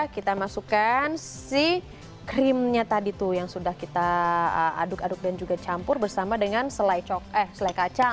kita masukkan si krimnya tadi tuh yang sudah kita aduk aduk dan juga campur bersama dengan selai kacang